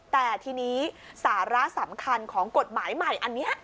แต่ทีนี้สาระสำคัญของกฎหมายใหม่อันนี้